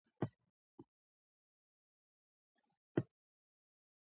زه غواړم چې کابل ته سفر وکړم.